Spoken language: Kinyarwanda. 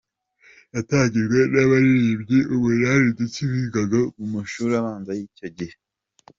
yatangijwe n’abaririmbyi umunani ndetse bigaga mu mashuri abanza icyo gihe.